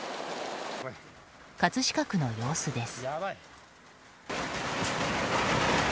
葛飾区の様子です。